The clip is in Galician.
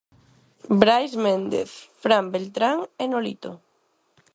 Brais Méndez, Fran Beltrán e Nolito.